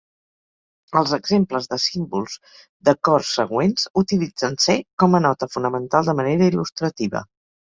Els exemples de símbols d'acord següents utilitzen C com a nota fonamental de manera il·lustrativa.